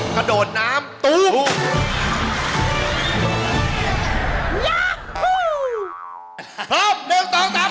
ไป